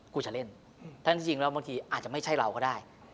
กูจะเล่นทั้งจริงแล้วบางทีอาจจะไม่ใช่เราก็ได้